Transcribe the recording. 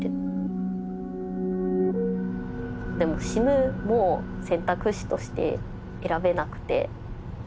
でも「死ぬ」も選択肢として選べなくて。